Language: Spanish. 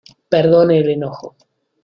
perdone el enojo.